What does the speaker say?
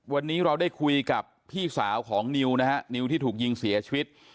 วันนี้เราได้คุยกับพี่สาวของนิวนะฮะนิวที่ถูกยิงเสียชีวิต